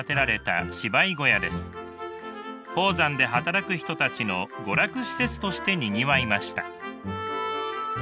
鉱山で働く人たちの娯楽施設としてにぎわいました。